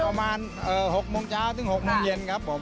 ประมาณ๖โมงเช้าถึง๖โมงเย็นครับผม